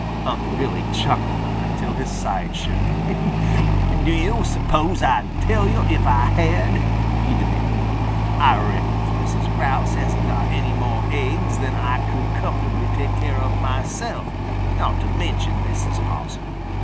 Unc' Billy chuckled until his sides shook. "Do yo' suppose Ah'd tell yo' if Ah had?" he demanded. "Ah reckons Mrs. Grouse hasn't got any mo' aiggs than Ah could comfortably take care of mahself, not to mention Mrs. Possum."